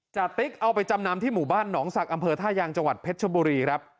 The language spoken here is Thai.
ติ๊กเอาไปจำนำที่หมู่บ้านหนองศักดิ์อำเภอท่ายางจังหวัดเพชรชบุรีครับ